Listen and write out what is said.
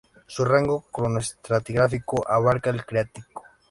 Su rango cronoestratigráfico abarca el Cretácico.